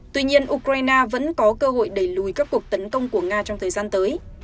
tuy nhiên ukraine vẫn có cơ hội đẩy lùi các cuộc tấn công của nga trong thời gian tới